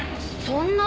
そんな。